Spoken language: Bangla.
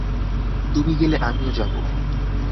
তুমি গেলে আমিও যাব।